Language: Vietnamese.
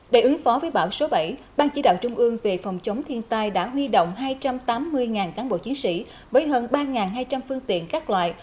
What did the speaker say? để ứng phó với bão số bảy ban chỉ đạo trung ương về phòng chống thiên tai đã huy động hai trăm tám mươi cán bộ chiến sĩ với hơn ba hai trăm linh phương tiện các loại